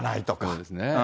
そうですね。